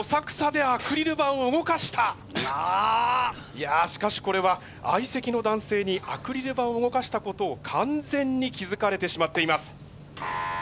いやしかしこれは相席の男性にアクリル板を動かしたことを完全に気付かれてしまっています。